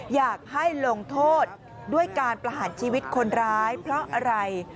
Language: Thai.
อยากให้ลงโทษด้วยการประหารชีวิตคนร้ายเพราะอะไร